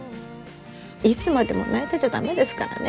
いつまでも泣いてちゃ駄目ですからね。